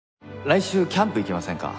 来週キャンプ行きませんか？